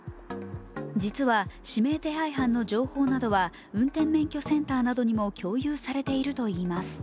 実は、指名手配犯の情報などは運転免許センターなどにも共有されているといいます。